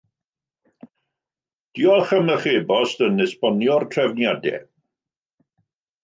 Diolch am eich e-bost yn esbonio'r trefniadau